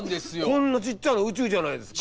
こんなちっちゃな宇宙じゃないですか。